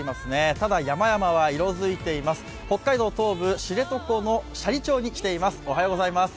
ただ山々は色づいています、北海道東部知床の斜里町に来ています、おはようございます。